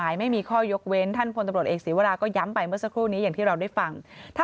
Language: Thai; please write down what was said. อย่างที่เราได้ฟัง